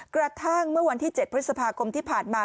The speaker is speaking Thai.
กระทั่งเมื่อวันที่๗พฤษภาคมที่ผ่านมา